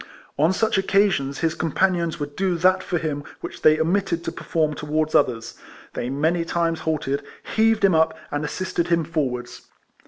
On such occasions, his companions would do that for him which they omitted to perform towards others. They many times halted, heaved him up, and assisted him forwards.